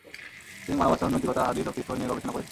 তিনি মানব আচরণ, নৈতিকতা, হাদিস ও ফিকহ নিয়ে গবেষণা করেছেন।